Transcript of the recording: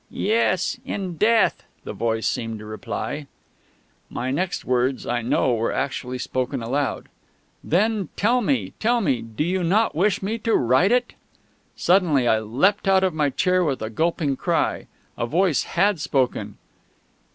"Yes in death," the voice seemed to reply. My next words, I know, were actually spoken aloud. "Then tell me tell me do you not wish me to write it?" Suddenly I leapt out of my chair with a gulping cry. A voice had spoken....